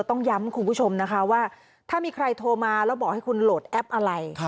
ต้องย้ำคุณผู้ชมนะคะว่าถ้ามีใครโทรมาแล้วบอกให้คุณโหลดแอปอะไร